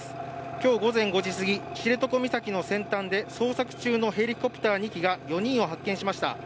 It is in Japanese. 今日午前５時すぎ知床岬の先端で捜索中のヘリコプター２機が４人を発見しました。